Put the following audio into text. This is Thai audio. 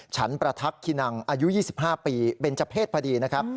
ฉันประทักษินังอายุ๒๕ปีเป็นเจ้าเพศพอดีนะครับ